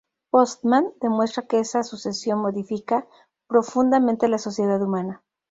Postman demuestra que esa sucesión modifica profundamente la sociedad humana.